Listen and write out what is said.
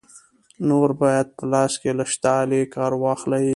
نور باید په لاس کې له شته آلې کار واخلې.